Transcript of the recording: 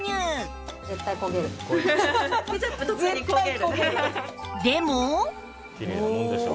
そしてきれいなもんでしょ？